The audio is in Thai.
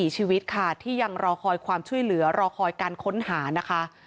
๔ชีวิตค่ะที่ยังรอคอยความช่วยเหลือรอคอยการค้นหานะคะ